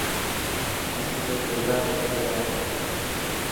اسين سب بيزار ٿي گيا هان.